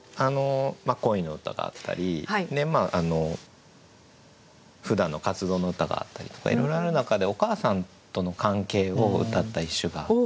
恋の歌があったりふだんの活動の歌があったりとかいろいろある中でお母さんとの関係をうたった一首があって。